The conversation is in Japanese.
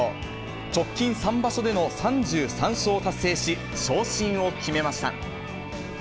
直近３場所での３３勝を達成し、昇進を決めました。